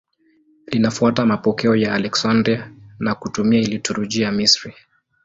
Linafuata mapokeo ya Aleksandria na kutumia liturujia ya Misri.